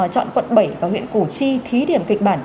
chọn quận bảy và huyện củ chi thí điểm kịch bản